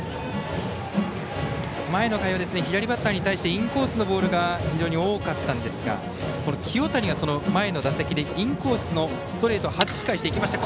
前の回は左バッターに対してインコースのボールが非常に多かったんですが清谷が、前の打席でインコースのストレートをはじき返していきました。